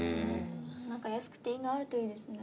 何か安くていいのあるといいですね。